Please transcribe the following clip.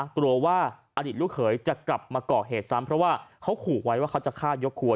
กลัวว่าอดีตลูกเขยจะกลับมาก่อเหตุซ้ำเพราะว่าเขาขู่ไว้ว่าเขาจะฆ่ายกครัว